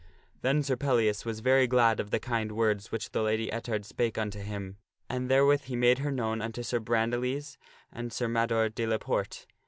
Then Sir Pellias was very glad of the kind words which the Lady Ettard spake unto him, and therewith he made her known unto Sir Bran diles and Sir Mador de la Porte.